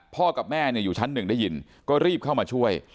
กับแม่อยู่ชั้นหนึ่งได้ยินก็รีบเข้ามาช่วย